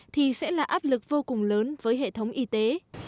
thì sẽ là áp lực vô cùng lớn với hệ thống y tế